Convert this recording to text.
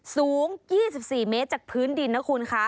สูง๒๔เมตรจากพื้นดินนะคุณคะ